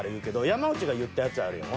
山内が言ったやつあるやん。